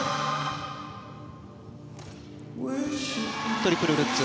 トリプルルッツ。